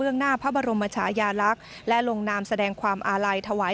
เปลืองหน้าพระบรมชายาลักษมณ์และหลวงนามแสดงความอาลัย